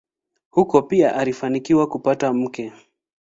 Huko pia alifanikiwa kupata mke.